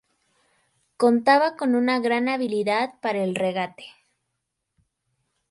Contaba con una gran habilidad para el regate.